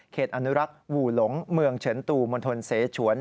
อนุรักษ์หวู่หลงเมืองเฉินตูมณฑลเสฉวน